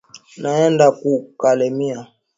Naenda ku kalemie